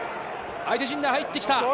相手陣内、入ってきた。